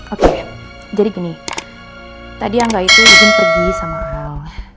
oke jadi gini tadi angga itu izin pergi sama hal